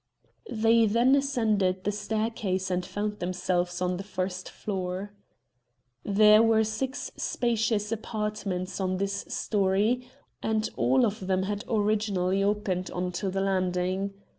They then ascended the staircase and found themselves on the first floor. There were six spacious apartments on this storey, and all of them had originally opened on to the landing.